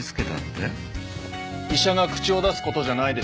医者が口を出す事じゃないでしょう。